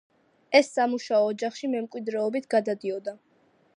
ეს სამუშაო ოჯახში მემკვიდრეობით გადადიოდა.